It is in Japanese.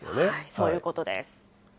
そういうことです。